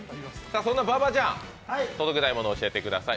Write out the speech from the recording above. そんな馬場ちゃん、届けたいものを教えてください。